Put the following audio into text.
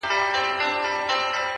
را پوره مي د پېړیو د بابا دغه ارمان کې-